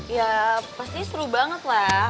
ya pasti seru banget lah